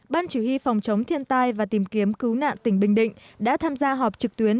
ban chỉ huy phòng chống thiên tai và tìm kiếm cứu nạn tỉnh bình định đã tham gia họp trực tuyến